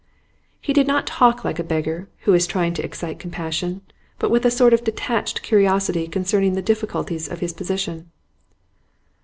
He did not talk like a beggar who is trying to excite compassion, but with a sort of detached curiosity concerning the difficulties of his position.